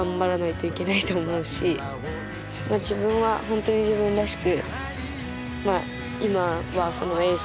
自分は本当に自分らしく。